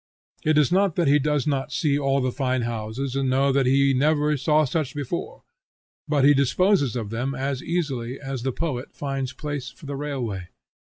It is not that he does not see all the fine houses and know that he never saw such before, but he disposes of them as easily as the poet finds place for the railway.